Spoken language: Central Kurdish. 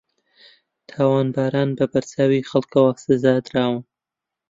تاوانباران بە بەرچاوی خەڵکەوە سزادراون